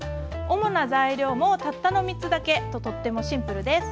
主な材料もたったの３つだけととってもシンプルです。